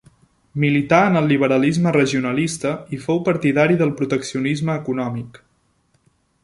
Milità en el liberalisme regionalista i fou partidari del proteccionisme econòmic.